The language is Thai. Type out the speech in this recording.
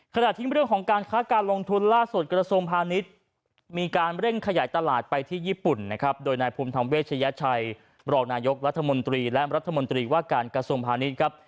ขณะที่เรื่องของการค้าการลงทุนล่าสุดกระทรวงพาณิชย์มีการเร่งขยายตลาดไปที่ญี่ปุ่นนะครับโดยนายภูมิธรรมเวชยชัยรองนายกรัฐมนตรีและรัฐมนตรีว่าการกระทรวงพาณิชย์ครับ